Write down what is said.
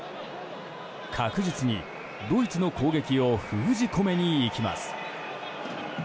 確実にドイツの攻撃を封じ込めに行きます。